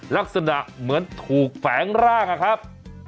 ลักษณะเหมือนถูกแฝงร่างอะครับ